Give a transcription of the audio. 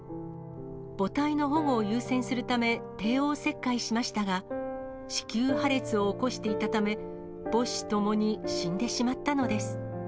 母体の保護を優先するため、帝王切開しましたが、子宮破裂を起こしていたため、母子ともに死んでしまったのです。